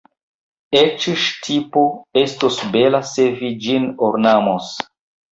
Eĉ ŝtipo estos bela, se vi ĝin ornamos.